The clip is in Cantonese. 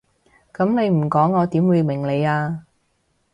噉你唔講我點會明你啊？